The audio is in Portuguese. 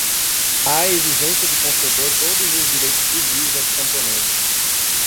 à exigência de conceder todos os direitos civis aos camponeses